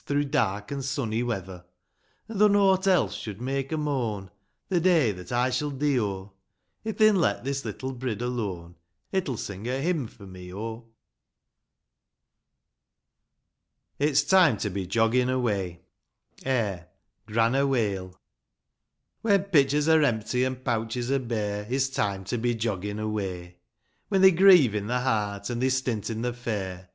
Through dark an' sunny weather : An' though nought else should make a moaa The day that I shall dee, oh, If they'n let this Uttle brid alone It'll sing a hymn for me, oh ! Am— "Grana Waile." I. HEN pitchers are empty an' pouches are bare,. It's time to be joggin' away ; When they're grievin' the heart an' they're stintin' the fare